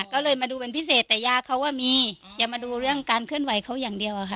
ก็เลยมาดูเป็นพิเศษแต่ยาเขามีอย่ามาดูเรื่องการเคลื่อนไหวเขาอย่างเดียวอะค่ะ